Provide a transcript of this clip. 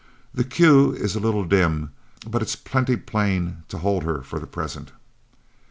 The 'Q' is a little dim, but it's plenty plain to hold her for the present."